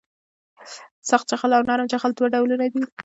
سخت جغل او نرم جغل دوه ډولونه دي